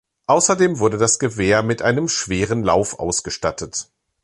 Außerdem wurde das Gewehr mit einem schwereren Lauf ausgestattet.